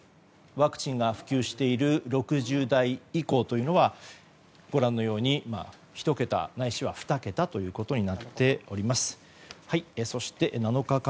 ワクチンが普及している６０代以降というのはご覧のように１桁、ないしは２桁ということになっています。